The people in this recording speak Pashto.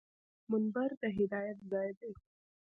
منبر د هدایت ځای دی